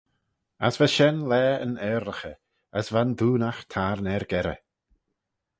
As va shen laa yn aarlaghey, as va yn doonaght tayrn er-gerrey.